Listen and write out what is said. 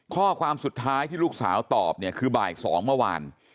ข้อความสุดท้ายที่ลูกสาวตอบเนี่ยคือบ่าย๒เมื่อวาน